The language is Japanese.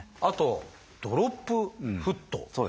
あと「ドロップフット」。